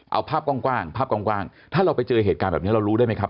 เอาภาพก่อนถ้าเราไปเจอเหตุการแบบนี้เรารู้ได้ไหมครับ